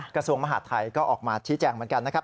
กระทรวงมหาดไทยก็ออกมาชี้แจงเหมือนกันนะครับ